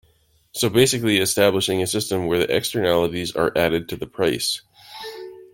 So basically establishing a system where the externalities are added to the price.